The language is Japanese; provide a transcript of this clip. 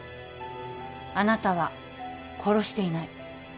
あなたは殺していない。